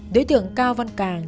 đối tượng cao văn càng